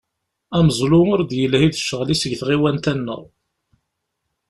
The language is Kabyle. Ameẓlu ur d-yelhi d ccɣel-is deg tɣiwant-a-nneɣ.